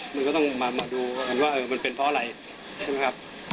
มันก็ต้องมาดูว่ามันเป็นเพราะอะไร